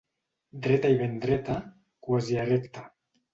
Dreta i ben dreta, quasi erecta.